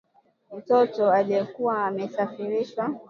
mtoto aliyekuwa amesafirishwa